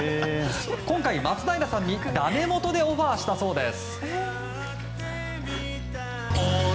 今回、松平さんにだめもとでオファーしたそうです。